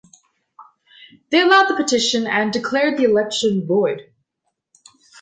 They allowed the petition and declared the election void.